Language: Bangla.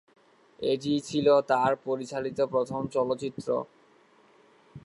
এটি ছিল তাঁর পরিচালিত প্রথম চলচ্চিত্র।